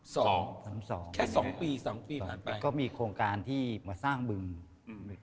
สองสามสองแค่สองปีสองปีผ่านไปก็มีโครงการที่มาสร้างบึงอืม